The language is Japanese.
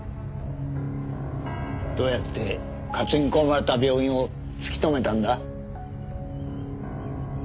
どうやって担ぎ込まれた病院を突き止めたんだ？